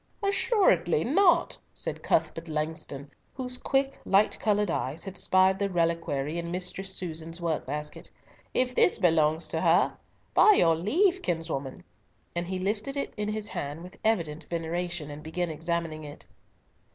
"Assuredly not," said Cuthbert Langston, whose quick, light coloured eyes had spied the reliquary in Mistress Susan's work basket, "if this belongs to her. By your leave, kinswoman," and he lifted it in his hand with evident veneration, and began examining it.